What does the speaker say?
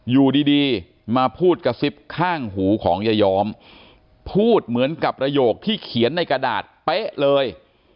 อยู่ดีมาพูดกระซิบข้างหูของยายอมพูดเหมือนกับประโยคที่เขียนในกระดาษเป๊ะเลย